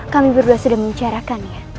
kami berdua sudah membicarakannya